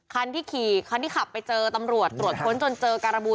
คันที่ขี่คันที่ขับไปเจอตำรวจตรวจค้นจนเจอการบู